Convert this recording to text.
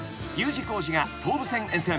Ｕ字工事が東武線沿線］